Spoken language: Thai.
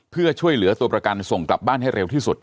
เพื่อช่วยเหลือตัวประกันส่งกลับบ้านให้เร็วที่สุด